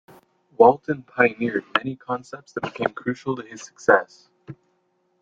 Walton pioneered many concepts that became crucial to his success.